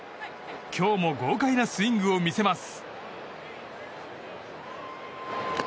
今日も豪快なスイングを見せます。